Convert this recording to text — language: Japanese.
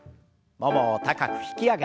ももを高く引き上げて。